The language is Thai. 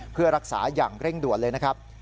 เพื่อรักษาอย่างเร่งด่วนเลยนะครับ